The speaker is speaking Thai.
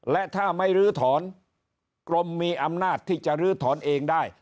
และถ้าไม่ลื้อถอนกรมมีอำนาจที่จะลื้อถอนเองได้